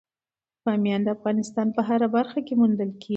بامیان د افغانستان په هره برخه کې موندل کېږي.